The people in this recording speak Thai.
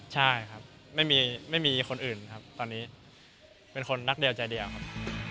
ใช่ครับไม่มีคนอื่นครับตอนนี้เป็นคนนักเดียวใจเดียวครับ